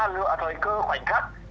lựa thời cơ khoảnh khắc